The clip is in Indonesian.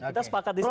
kita sepakat disitu